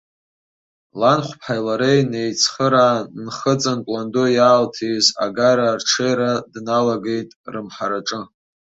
Ланхәыԥҳаи лареи неицхыраан, нхыҵынтә ланду иаалҭиз агара арҽеира дналагеит рымҳараҿы.